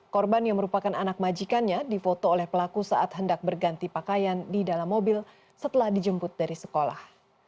korban yang merupakan anak majikannya difoto oleh pelaku saat hendak berganti pakaian di dalam mobil setelah dijemput dari sekolah